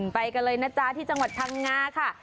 ไปกันเลยนะจ๊ะที่จังหวัดพังงาค่ะ